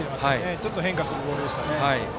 ちょっと変化するボールでしたね。